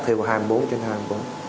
thêu hai mươi bốn trên hai mươi bốn